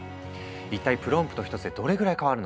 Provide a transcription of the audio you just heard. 一体プロンプト一つでどれぐらい変わるのか？